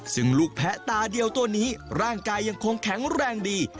ซึ่งลูกแพ้ตาเดียวตัวนี้ร่างกายยังคงแข็งแรงดี